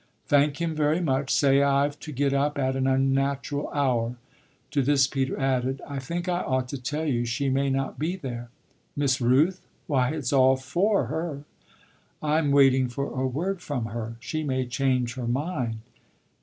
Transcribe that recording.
"Thank him very much; say I've to get up at an unnatural hour." To this Peter added: "I think I ought to tell you she may not be there." "Miss Rooth? Why it's all for her." "I'm waiting for a word from her she may change her mind."